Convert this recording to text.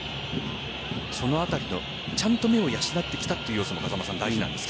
そのあたりのちゃんと目を養ってきたという要素が大事なんですか？